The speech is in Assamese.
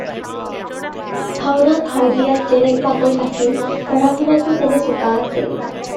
ভাওনাত ভাও দিয়াত যেনে পাকৈত আছিল, পঢ়া শুনাতো তেনে চোকা আছিল।